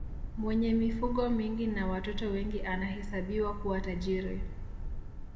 mwenye mifugo mingi na watoto wengi anahesabiwa kuwa tajiri